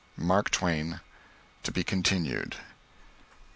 MARK TWAIN. (_To be Continued.